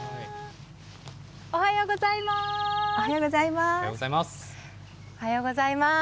おはようございます。